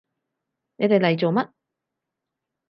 你哋嚟做乜？